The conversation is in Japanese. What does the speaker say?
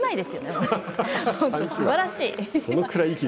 すばらしい。